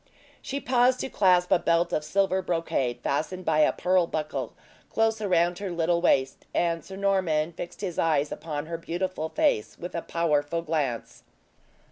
She paused to clasp a belt of silver brocade, fastened by a pearl buckle, close around her little waist, and Sir Norman fixed his eyes upon her beautiful face, with a powerful glance.